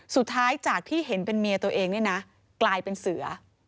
สุดท้ายจากที่เห็นเป็นเมียตัวเองเนี่ยนะกลายเป็นเสือ